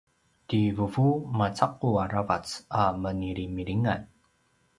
ti vuvu macaqu aravac a menilimilingan